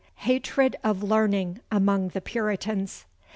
Hatred of Learning among the Puritans.